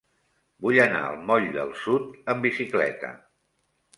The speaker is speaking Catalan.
Vull anar al moll del Sud amb bicicleta.